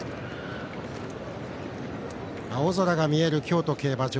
青空が見える京都競馬場。